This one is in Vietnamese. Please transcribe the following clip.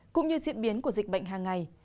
cũng như diễn biến của dịch bệnh hàng ngày